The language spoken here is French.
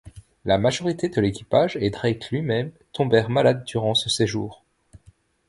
La majorité de l'équipage et Drake lui-même tombèrent malade durant ce séjour.